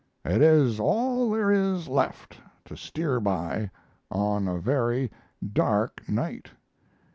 It is all there is left to steer by on a very dark night.